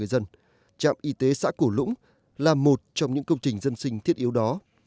trạm y tế xã cổ lũng là một trong những công trình dân sinh thiết yếu đó